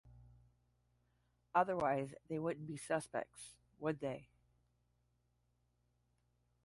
Otherwise, they wouldn't be suspects, would they?